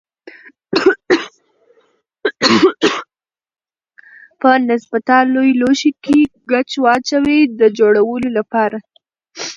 په نسبتا لوی لوښي کې ګچ واچوئ د جوړولو لپاره.